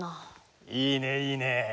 いいねいいね。